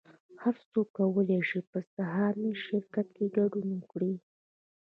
هر څوک کولی شي په سهامي شرکت کې ګډون وکړي